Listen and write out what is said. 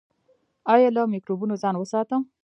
ایا له مکروبونو ځان وساتم؟